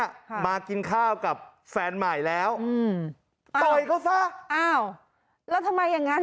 ค่ะมากินข้าวกับแฟนใหม่แล้วอืมต่อยเขาซะอ้าวแล้วทำไมอย่างงั้น